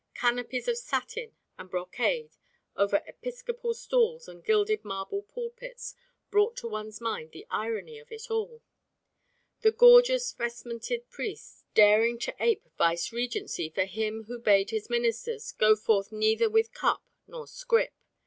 Canopies of satin and brocade over episcopal stalls and gilded marble pulpits brought to one's mind the irony of it all: the gorgeous vestmented priests daring to ape vicegerency for Him who bade His ministers "go forth neither with purse nor scrip."